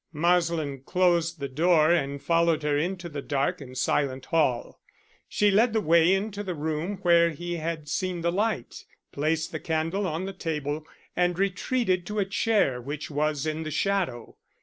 Marsland closed the door and followed her into the dark and silent hall. She led the way into the room where he had seen the light, placed the candle on the table, and retreated to a chair which was in the shadow.